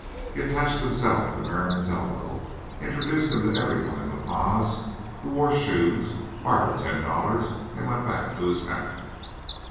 He attached himself to Merriam's elbow, introduced him to every one in La Paz who wore shoes, borrowed ten dollars and went back to his hammock.